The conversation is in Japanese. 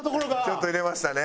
ちょっと入れましたね。